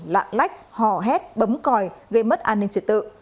lạng lách hò hét bấm còi gây mất an ninh trật tự